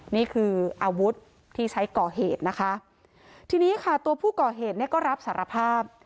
นี่คืออาวุธที่ใช้ก่อเหตุนะคะทีนี้ค่ะตัวผู้ก่อเหตุเนี่ยก็รับสารภาพ